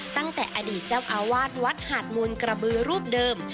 ตั้งแต่อดีตเจ้าอาวาสวัดหาดมูลกระบือรูปเดิม